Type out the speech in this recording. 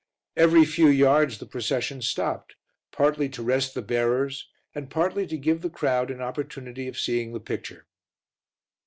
Every few yards the procession stopped, partly to rest the bearers and partly to give the crowd an opportunity of seeing the picture.